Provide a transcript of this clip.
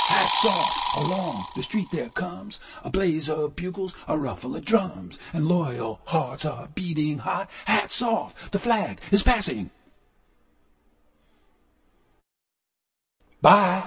Along the street there comesA blare of bugles, a ruffle of drums; And loyal hearts are beating high:Hats off! The flag is passing by!